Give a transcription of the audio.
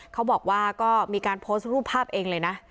เขาบอกว่าก็มีการโพสต์รูปภาพเองเลยนะ